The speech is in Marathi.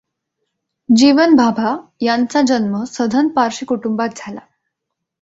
जीवन भाभा यांचा जन्म सधन पारशी कुटुंबात झाला.